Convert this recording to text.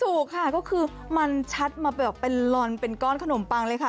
ถูกค่ะก็คือมันชัดมาแบบเป็นลอนเป็นก้อนขนมปังเลยค่ะ